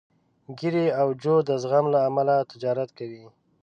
ګېري او جو د زغم له امله تجارت کوي.